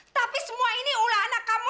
tapi semua ini ulah anak kamu